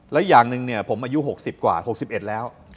และอย่างหนึ่งเนี่ยผมอายุ๖๐กว่า๖๑แล้ว